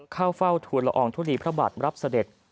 เข้าเฝ้าทุนละอองทุลีพระบาทรับเสด็จ